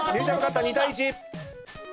２対１。